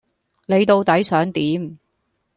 你到底想點？